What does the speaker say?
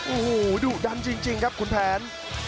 โอ้โหดุดันจริงครับคุณแผน